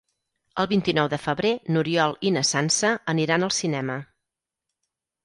El vint-i-nou de febrer n'Oriol i na Sança aniran al cinema.